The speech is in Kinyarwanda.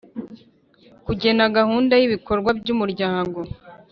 Kugena gahunda y ibikorwa by umuryango